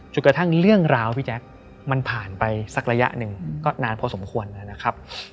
กระทั่งเรื่องราวพี่แจ๊คมันผ่านไปสักระยะหนึ่งก็นานพอสมควรแล้วนะครับ